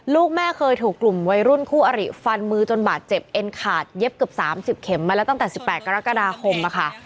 ลูกแม่เคยถูกกลุ่มวัยรุ่นคู่อริฟันมือจนบาดเจ็บเอ็นขาดเย็บเกือบ๓๐เข็มมาแล้วตั้งแต่๑๘กรกฎาคมค่ะ